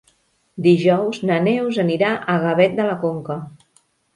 Dijous na Neus anirà a Gavet de la Conca.